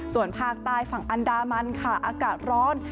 ส่วนภาคใต้ฝั่งอันดามันค่ะอากาศร้อน